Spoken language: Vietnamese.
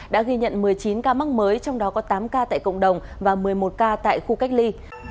đã ghi nhận một mươi chín ca mắc mới trong đó có tám ca tại cộng đồng và một mươi một ca tại khu cách ly